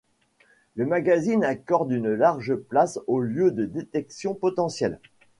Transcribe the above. Le magazine accorde une large place aux lieux de détection potentiels.